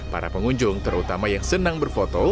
para pengunjung terutama yang senang berfoto